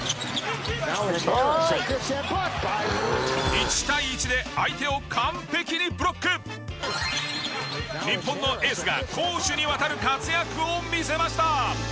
１対１で相手を日本のエースが攻守にわたる活躍を見せました！